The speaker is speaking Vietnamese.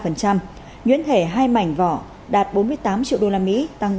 nhuyễn thể hai mảnh vỏ đạt bốn mươi tám triệu đô la mỹ tăng bốn mươi bốn